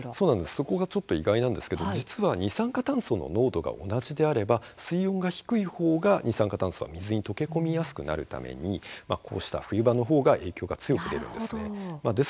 そこがちょっと意外なんですが実は二酸化炭素の濃度が同じであれば水温が低いほうが二酸化炭素が水に溶け込みやすくなるためにこうした冬場のほうが影響が強く出るんです。